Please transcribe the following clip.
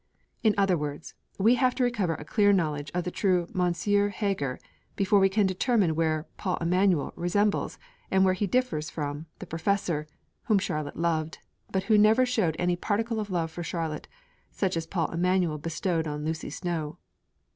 In other words, we have to recover a clear knowledge of the true Monsieur Heger before we can determine where 'Paul Emanuel' resembles, and where he differs from, the Professor, _whom Charlotte loved: but who never showed any particle of love for Charlotte, such as Paul Emanuel bestowed on Lucy Snowe_.